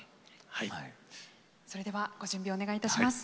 それではご準備お願いいたします。